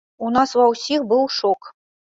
У нас ва ўсіх быў шок.